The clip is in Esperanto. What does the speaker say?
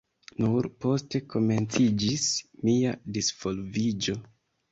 Nur poste komenciĝis mia disvolviĝo.